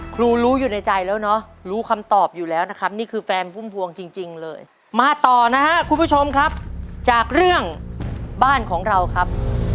ครูรู้อยู่ในใจแล้วเนอะรู้คำตอบอยู่แล้วนะครับนี่คือแฟนพุ่มพวงจริงเลยมาต่อนะครับคุณผู้ชมครับจากเรื่องบ้านของเราครับ